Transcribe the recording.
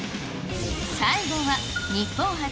最後は、日本初！